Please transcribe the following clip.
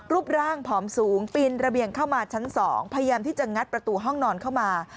รูปร่างผอมสูงปีนระเบียงเข้ามาชั้น๒พยายามที่จะงัดประตูห้องนอนเข้ามา